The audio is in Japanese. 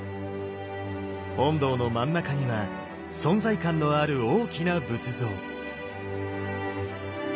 本堂の真ん中には存在感のある大きな仏像。